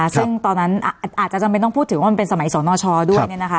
ซึ่งตอนนั้นอาจจะจำเป็นต้องพูดถึงว่ามันเป็นสมัยสนชด้วย